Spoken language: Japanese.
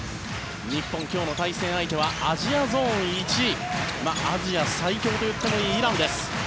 日本、今日の対戦相手はアジアゾーン１位アジア最強といってもいいイランです。